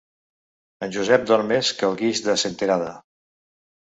En Josep dorm més que el guix de Senterada.